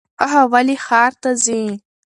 هغه ولې ښار ته ځي ؟